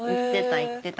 行ってた。